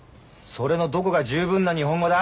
それのどこが十分な日本語だ！？